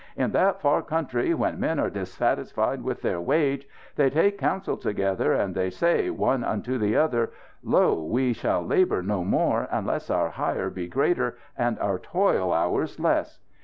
In that far country, when men are dissatisfied with their wage, they take counsel together and they say, one unto the other: 'Lo, we shall labour no more, unless our hire be greater and our toil hours less!'